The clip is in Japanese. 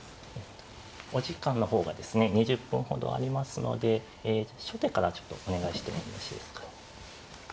お時間の方がですね２０分ほどありますので初手からちょっとお願いしてもよろしいですか。